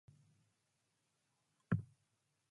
Anuenanosh nëbi